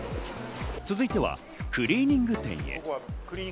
続いてはクリーニング店へ。